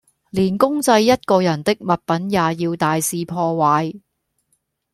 連公祭一個人的物品也要大肆破壞